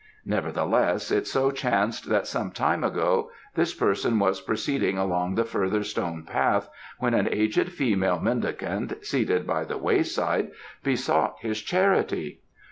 Nevertheless, it so chanced that some time ago this person was proceeding along the further Stone Path when an aged female mendicant, seated by the wayside, besought his charity.